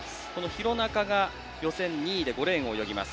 弘中が予選２位で５レーンを泳ぎます。